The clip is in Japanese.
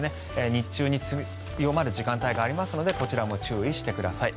日中に強まる時間帯がありますのでこちらも注意してください。